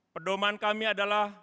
pedoman kami adalah